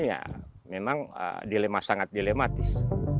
ya memang dilema sangat dilematis